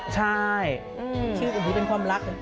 ใช่ชื่อโอ้โหเป็นความรัก